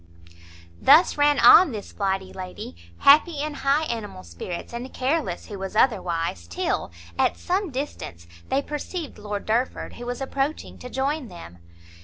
Thus ran on this flighty lady, happy in high animal spirits, and careless who was otherwise, till, at some distance, they perceived Lord Derford, who was approaching to join them.